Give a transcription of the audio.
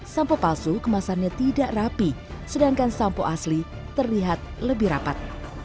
sampo palsu kemasannya tidak rapi sedangkan sampo asli terlihat lebih rapat